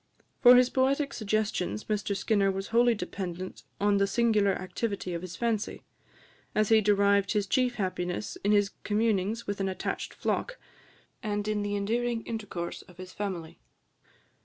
For his poetic suggestions Mr Skinner was wholly dependent on the singular activity of his fancy; as he derived his chief happiness in his communings with an attached flock, and in the endearing intercourse of his family.